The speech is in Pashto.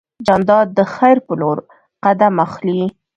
جانداد د خیر په لور قدم اخلي.